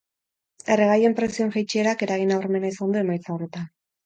Erregaien prezioen jaitsierak eragin nabarmena izan du emaitza horretan.